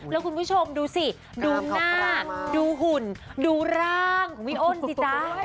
แล้วคุณผู้ชมดูสิดูหน้าดูหุ่นดูร่างของพี่อ้นสิจ๊ะ